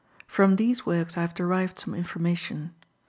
From these works I have derived some information.